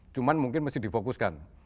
cuma mungkin masih difokuskan